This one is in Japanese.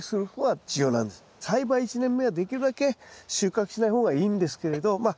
栽培１年目はできるだけ収穫しない方がいいんですけれどまあ